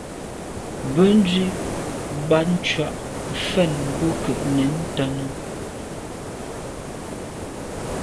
Bènzwi bat tshùa mfèn bo nke nèn ntàne.